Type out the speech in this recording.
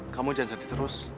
kamu jangan sedih terus